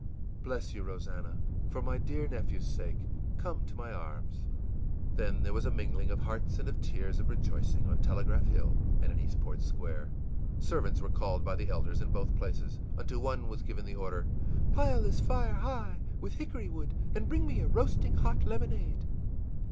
î ìBless you, Rosannah, for my dear nephew's sake! Come to my arms!î Then was there a mingling of hearts and of tears of rejoicing on Telegraph Hill and in Eastport Square. Servants were called by the elders, in both places. Unto one was given the order, ìPile this fire high, with hickory wood, and bring me a roasting hot lemonade.